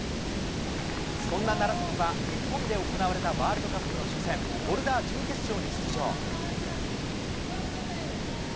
そんな楢崎は、日本で行われたワールドカップの初戦、ボルダー準決勝に出場。